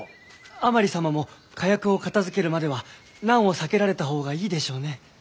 甘利様も火薬を片づけるまでは難を避けられたほうがいいでしょうね。